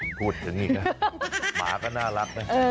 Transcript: ผมพูดอย่างนี้นะหมาก็น่ารักนะ